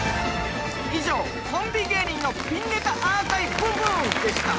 以上コンビ芸人のピンネタアーカイブンブンでした。